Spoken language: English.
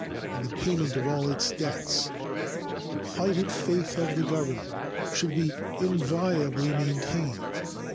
In the payment of all its debts the plighted faith of the Government should be inviolably maintained.